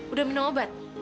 udah minum obat